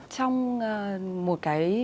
trong một cái